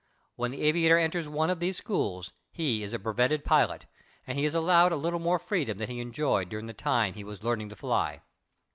When the aviator enters one of these schools he is a breveted pilot, and he is allowed a little more freedom than he enjoyed during the time he was learning to fly.